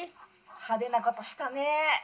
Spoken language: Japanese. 「派手なことしたねえ」。